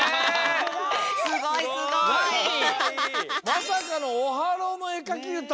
まさかのオハローのえかきうた！